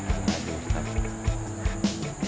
terima kasih ustadz